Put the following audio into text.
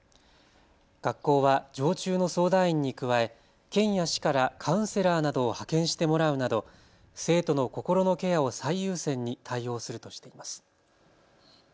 学校は常駐の相談員に加え県や市からカウンセラーなどを派遣してもらうなど生徒の心のケアを最優先に対応するとしています。